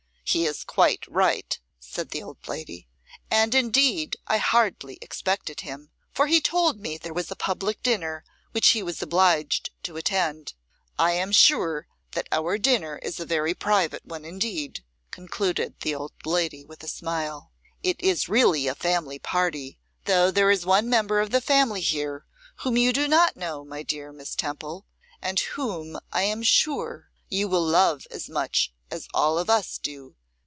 'He is quite right,' said the old lady; 'and indeed I hardly expected him, for he told me there was a public dinner which he was obliged to attend. I am sure that our dinner is a very private one indeed,' continued the old lady with a smile. 'It is really a family party, though there is one member of the family here whom you do not know, my dear Miss Temple, and whom, I am sure, you will love as much as all of us do.